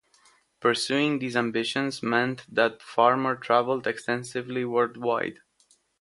Pursuing these ambitions meant that Farmer traveled extensively worldwide.